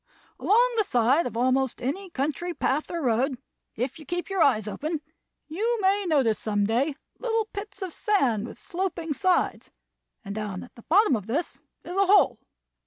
Along the side of almost any country path or road, if you keep your eyes open, you may notice some day little pits of sand with sloping sides, and down at the bottom of this is a hole.